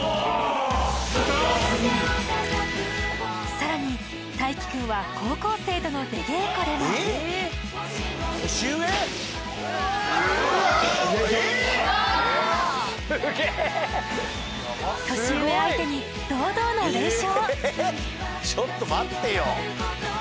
さらに太城くんは高校生との出稽古でも年上相手に堂々の連勝！